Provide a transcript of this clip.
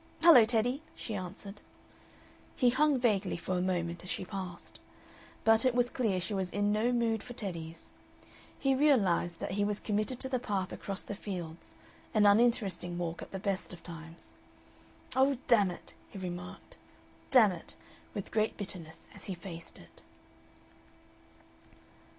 "Hello, Teddy!" she answered. He hung vaguely for a moment as she passed. But it was clear she was in no mood for Teddys. He realized that he was committed to the path across the fields, an uninteresting walk at the best of times. "Oh, dammit!" he remarked, "dammit!" with great bitterness as he faced it.